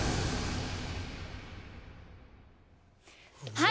はい！